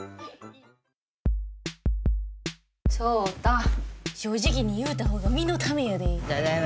草太、正直に言うた方が身のためやで。